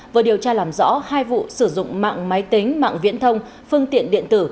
vừa điều tra làm rõ hai vụ sử dụng mạng máy tính mạng viễn thông phương tiện điện tử